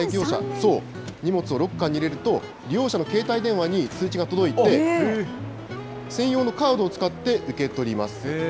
荷物をロッカーに入れると、利用者の携帯電話に通知が届いて、専用のカードを使って受け取ります。